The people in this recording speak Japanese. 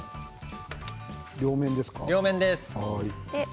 両面です。